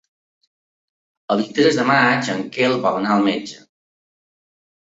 El vint-i-tres de maig en Quel vol anar al metge.